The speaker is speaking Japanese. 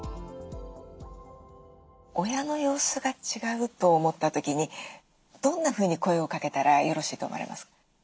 親の様子が違うと思った時にどんなふうに声をかけたらよろしいと思われますか？